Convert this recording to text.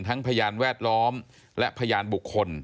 พยานแวดล้อมและพยานบุคคล